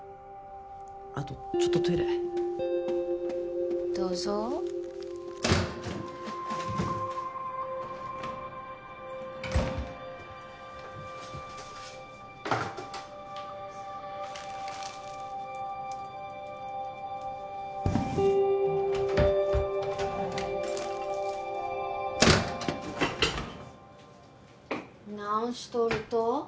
あとちょっとトイレどうぞ何しとると？